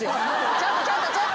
「ちょっとちょっとちょっと！」